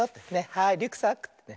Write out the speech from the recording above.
はいリュックサックってね。